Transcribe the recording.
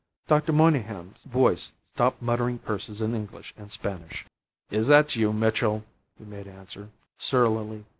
Dr. Monygham's voice stopped muttering curses in English and Spanish. "Is that you, Mitchell?" he made answer, surlily.